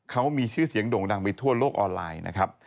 เขามีชื่อเสียงโด่งดังไปทั่วโลกออนไลน์นะครับ